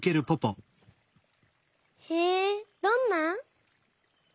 へえどんな？